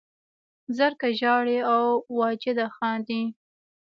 زرکه ژاړي او واجده خاندي